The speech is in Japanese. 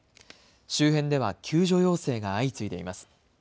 周辺では救助要請が相次いでいます。